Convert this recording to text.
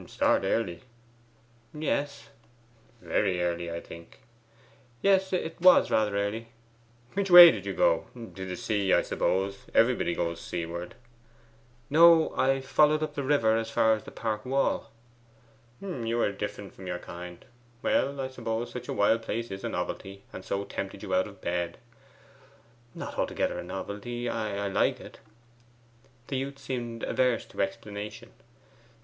'Start early?' 'Yes.' 'Very early, I think?' 'Yes, it was rather early.' 'Which way did you go? To the sea, I suppose. Everybody goes seaward.' 'No; I followed up the river as far as the park wall.' 'You are different from your kind. Well, I suppose such a wild place is a novelty, and so tempted you out of bed?' 'Not altogether a novelty. I like it.' The youth seemed averse to explanation.